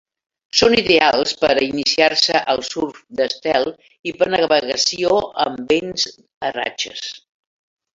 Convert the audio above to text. Són ideals per a iniciar-se al surf d'estel i per navegació amb vents a ratxes.